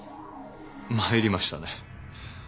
まいりましたね。